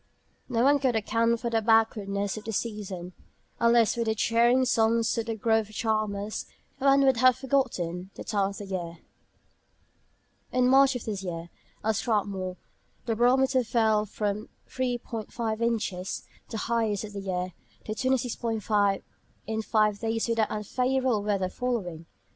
No one could account for the backwardness of the season. Unless for the cheering songs of the grove charmers, one would have forgotten the time of the year. In March of this year, at Strathmore, the barometer fell from 30·5 inches (the highest for years) to 28·65 in five days without unfavourable weather following.